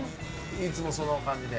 いつもその感じで。